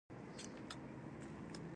د تجربې خبرې باید واورېدل شي.